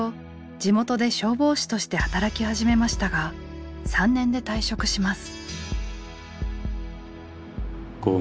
地元で消防士として働き始めましたが３年で退職します。